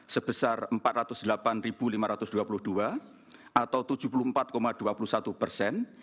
sebesar empat ratus delapan lima ratus dua puluh dua atau tujuh puluh empat dua puluh satu persen